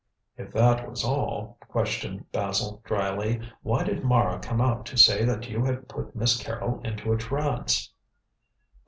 "If that was all," questioned Basil dryly, "why did Mara come out to say that you had put Miss Carrol into a trance?"